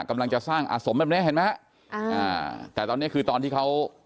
กำลังจะสร้างอาสมแบบเนี้ยเห็นไหมฮะอ่าอ่าแต่ตอนเนี้ยคือตอนที่เขา